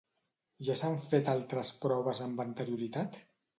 Ja s'han fet altres proves amb anterioritat?